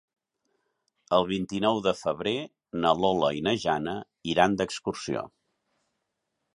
El vint-i-nou de febrer na Lola i na Jana iran d'excursió.